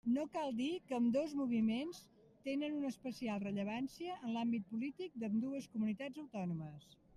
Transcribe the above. No cal dir que ambdós moviments tenen una especial rellevància en l'àmbit polític d'ambdues comunitats autònomes.